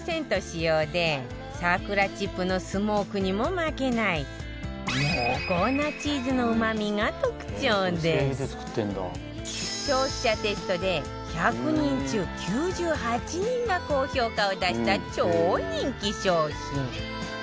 使用で桜チップのスモークにも負けない濃厚なチーズのうまみが特徴で消費者テストで１００人中９８人が高評価を出した超人気商品